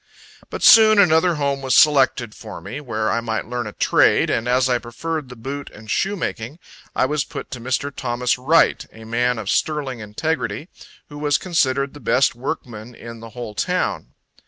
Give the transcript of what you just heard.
But soon, another home was selected for me, where I might learn a trade, and as I preferred the boot and shoe making, I was put to Mr. Thomas Wright, a man of sterling integrity, who was considered the best workman in the whole town.